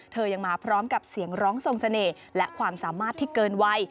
ยังมาพร้อมกับเสียงร้องทรงเสน่ห์และความสามารถที่เกินวัย